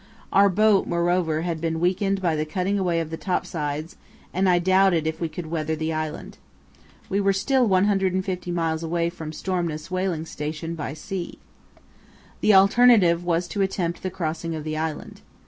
Our boat, moreover, had been weakened by the cutting away of the topsides, and I doubted if we could weather the island. We were still 150 miles away from Stromness whaling station by sea. The alternative was to attempt the crossing of the island.